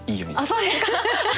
そうですか！